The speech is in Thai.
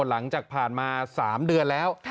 หลังจากผ่านมา๓เดือนแล้ว